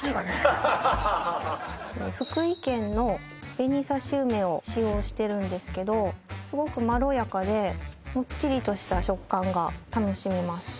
福井県の紅映梅を使用してるんですけどすごくまろやかでもっちりとした食感が楽しめます